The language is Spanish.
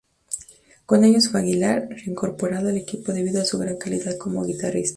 Con ellos fue Aguilar, reincorporado al equipo debido a su gran calidad como guitarrista.